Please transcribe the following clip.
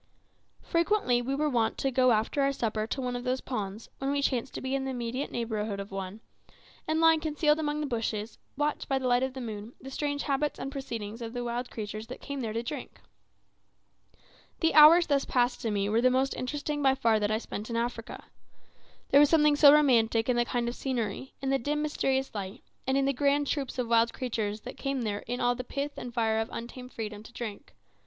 Frequently we were wont to go after our supper to one of those ponds, when we chanced to be in the immediate neighbourhood of one, and lying concealed among the bushes, watch by the light of the moon the strange habits and proceedings of the wild creatures that came there to drink. The hours thus passed were to me the most interesting by far that I spent in Africa. There was something so romantic in the kind of scenery, in the dim mysterious light, and in the grand troops of wild creatures that came there in all the pith and fire of untamed freedom to drink.